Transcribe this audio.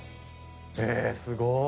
えすごい。